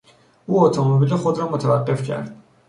او اتومبیل خود را متوقف کرد.